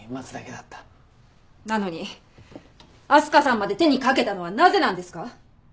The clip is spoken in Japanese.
なのに明日香さんまで手にかけたのはなぜなんですか？